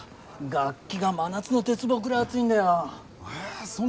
楽器が真夏の鉄棒ぐらい熱いんだよ。